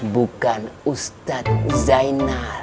bukan ustad zainal